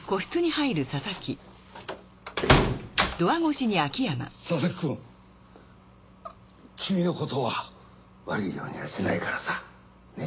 佐々木君キミのことは悪いようにはしないからさ。ね？